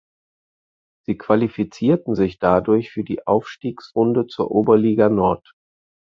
Sie qualifizierten sich dadurch für die Aufstiegsrunde zur Oberliga Nord.